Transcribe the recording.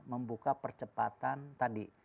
membuka percepatan tadi